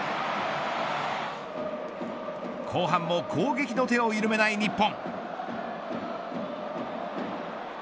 後半も攻撃の手をゆるめない日本。